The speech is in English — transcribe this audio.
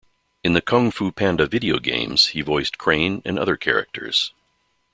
In the "Kung Fu Panda" video games, he voiced Crane and other characters.